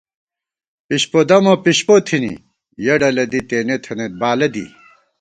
پِشپو دَمہ پِشپو تھِنی ، یَہ ڈلہ دی تېنے تھنَئیت بالہ دی